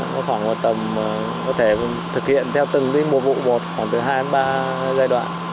nó khoảng một tầm có thể thực hiện theo từng mùa vụ một khoảng từ hai ba giai đoạn